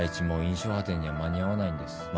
もう『印象派展』には間に合わないんです。